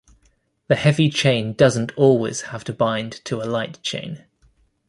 The heavy chain doesn't always have to bind to a light chain.